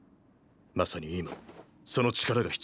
まさに今その力が必要な時だ。